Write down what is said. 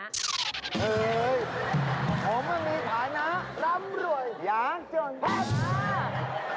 เหรอไม่มีฐานะร้ำรวยหญางเจากัน